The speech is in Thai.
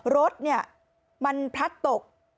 รถมันพลัดตก